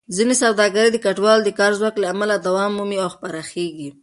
ځینې سوداګرۍ د کډوالو د کار ځواک له امله دوام مومي او پراخېږي.